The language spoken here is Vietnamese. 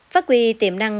phát huy tiềm năng